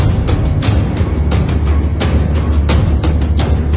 แล้วก็พอเล่ากับเขาก็คอยจับอย่างนี้ครับ